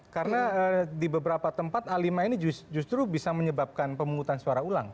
karena di beberapa tempat a lima ini justru bisa menyebabkan pemungutan suara ulang